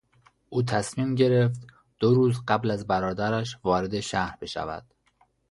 او تصمیم گرفت دو روز قبل از برادرش وارد شهر بشود.